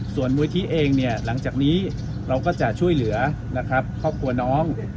ส่วนบุริธีเองเนี่ยหลังจากนี้เราก็จะช่วยเหลือครอบครัวน้อง